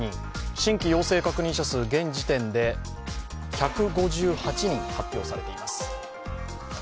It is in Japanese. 新規陽性確認者数現時点で１５８人発表されています。